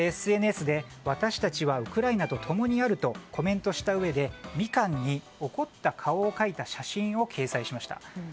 ＳＮＳで私たちはウクライナと共にあるとコメントしたうえでミカンに怒った顔を描いた写真を掲載しました。